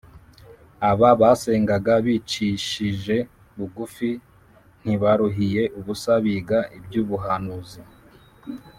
Aba basengaga bicishije bugufi, ntibaruhiye ubusa biga iby’ubuhanuzi